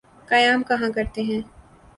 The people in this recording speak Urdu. قیام کہاں کرتے ہیں؟